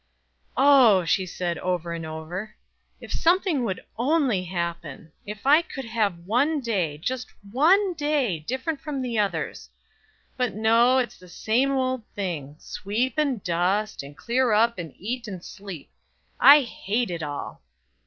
"O!" she said, over and over, "if something would only happen; if I could have one day, just one day, different from the others; but no, it's the same old thing sweep and dust, and clear up, and eat and sleep. I hate it all."